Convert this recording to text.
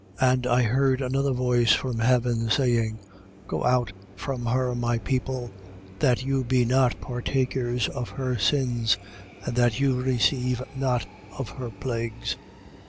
18:4. And I heard another voice from heaven, saying: Go out from her, my people; that you be not partakers of her sins and that you receive not of her plagues.